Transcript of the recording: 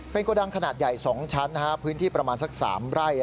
โกดังขนาดใหญ่๒ชั้นพื้นที่ประมาณสัก๓ไร่